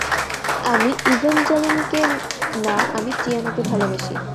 আমি ইভেঞ্জ্যালিনকে না আমি টিয়ানাকে ভালবাসি!